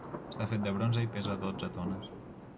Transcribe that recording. Està fet de bronze i pesa dotze tones.